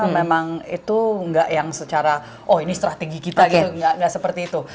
memang itu nggak yang secara oh ini strategi kita gitu nggak seperti itu